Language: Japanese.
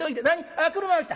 あ車が来た。